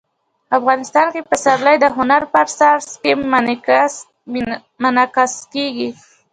افغانستان کې پسرلی د هنر په اثار کې منعکس کېږي.